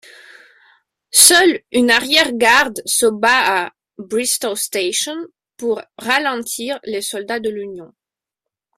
Seule une arrière-garde se bat à Bristoe Station pour ralentir les soldats de l'Union.